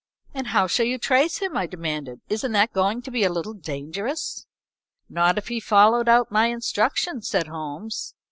"And how shall you trace him?" I demanded. "Isn't that going to be a little dangerous?" "Not if he followed out my instructions," said Holmes.